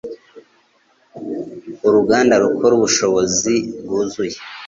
Uruganda rukora mubushobozi bwuzuye